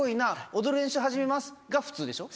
踊る練習始めますが普通でしょ。